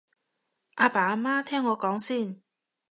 阿爸阿媽聽我講先